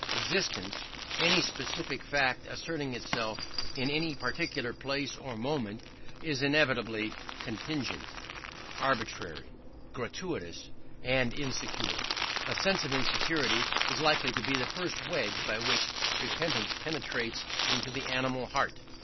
Existence any specific fact asserting itself in any particular place or moment is inevitably contingent, arbitrary, gratuitous, and insecure. A sense of insecurity is likely to be the first wedge by which repentance penetrates into the animal heart.